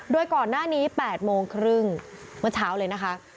โดยก่อนหน้านี้๘โมงครึ่งเมื่อเช้าเลยนะคะ